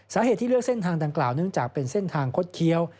สาเหตุที่เลือกเส้นทางดังกล่าวเนื่องจากเป็นเส้นทางคดเคี้ยว